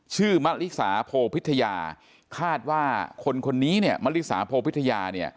ชื่อมริสาโภพิทยาคาดว่าคนนี้มริสาโภพิทยา